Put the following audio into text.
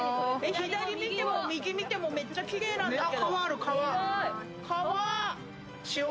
左見ても右見てもめっちゃきれいなんだけど。